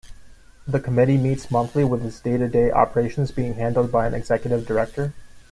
The committee meets monthly with its day-to-day operations being handled by an executive director.